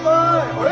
あれ？